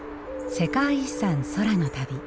世界遺産空の旅。